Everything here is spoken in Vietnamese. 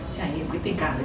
trải nghiệm cái tình cảm đấy